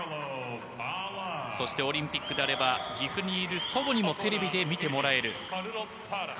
そしてオリンピックであれば岐阜にいる祖母にもテレビで見てもらえる。